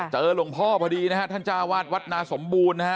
หลวงพ่อพอดีนะฮะท่านจ้าวาดวัดนาสมบูรณ์นะฮะ